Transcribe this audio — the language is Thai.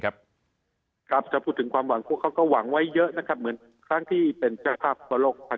เกี่ยวกับความหวังว่าเขาก็หวังไว้เยอะเหมือนพร้ั้งที่ตัดภาพประโลก๑๙๙๘